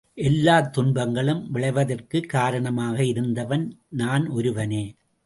எல்லாத் துன்பங்களும் விளைவதற்குக் காரணமாக இருந்தவன் நான் ஒருவனே.